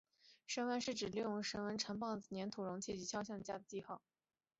绳文是指利用绳缠绕棒子在黏土容器及塑像上所加上的记号。